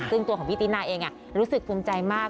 ซึ่งตัวของพี่ตินาเองรู้สึกภูมิใจมาก